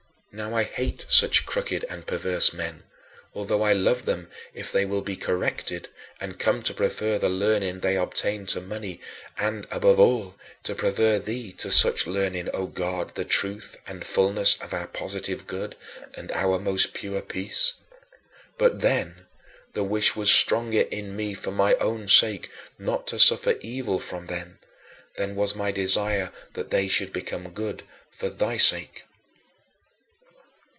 Now I hate such crooked and perverse men, although I love them if they will be corrected and come to prefer the learning they obtain to money and, above all, to prefer thee to such learning, O God, the truth and fullness of our positive good, and our most pure peace. But then the wish was stronger in me for my own sake not to suffer evil from them than was my desire that they should become good for thy sake.